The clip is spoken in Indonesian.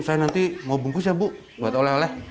bu saya nanti mau bungkus ya bu buat oleh oleh